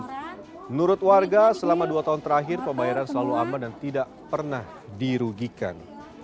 menurut warga selama dua tahun terakhir pembayaran selalu aman dan tidak pernah dirugikan